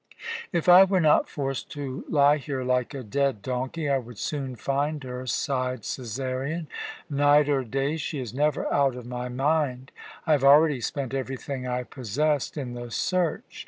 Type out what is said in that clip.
"If I were not forced to lie here like a dead donkey, I would soon find her," sighed Cæsarion. "Night or day, she is never out of my mind. I have already spent everything I possessed in the search.